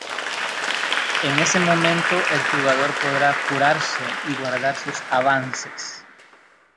En ese momento el jugador podrá curarse y guardar sus avances.